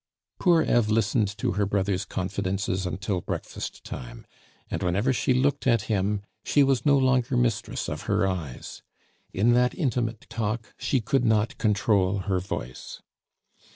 Poor Eve listened to her brother's confidences until breakfast time; and whenever she looked at him she was no longer mistress of her eyes; in that intimate talk she could not control her voice.